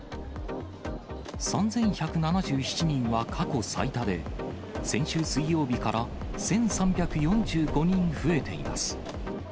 ３１７７人は過去最多で、先週水曜日から１３４５人増えています。